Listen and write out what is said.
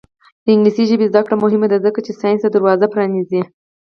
د انګلیسي ژبې زده کړه مهمه ده ځکه چې ساینس ته دروازه پرانیزي.